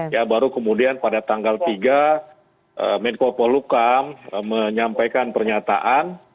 ya baru kemudian pada tanggal tiga menko polukam menyampaikan pernyataan